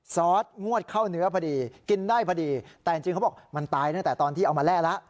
ซอสงวดเข้าเนื้อพอดีกินได้พอดีแต่จริงเขาบอกมันตายตั้งแต่ตอนที่เอามาแร่แล้ว